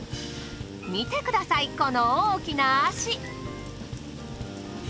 見てくださいこの大きな足。